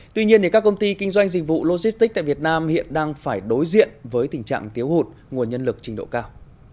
tuy nhiên các công ty kinh doanh dịch vụ logistics tại việt nam hiện đang phải đối diện với tình trạng thiếu hụt nguồn nhân lực trình độ cao